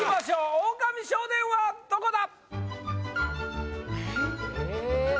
オオカミ少年はどこだ？